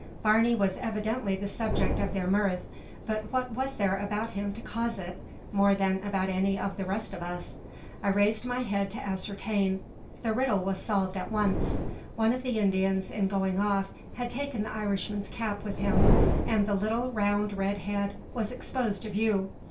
Barney was evidently the subject of their mirth; but what was there about him to cause it, more than about any of the rest of us? I raised my head to ascertain: the riddle was solved at once. One of the Indians, in going off, had taken the Irishman's cap with him, and the little, round, red head was exposed to view.